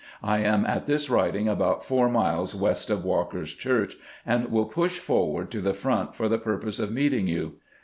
I am at this writing about four miles west of Walker's Church, and will push forward to the front for the purpose of meeting you.